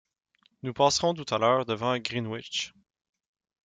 Nous passerons tout à l’heure devant Greenwich.